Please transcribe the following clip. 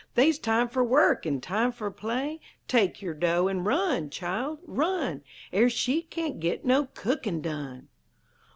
They's time fer work an' time fer play! Take yer dough, an' run, Child; run! Er she cain't git no cookin' done!'"